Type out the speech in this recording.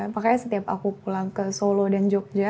makanya setiap aku pulang ke solo dan jogja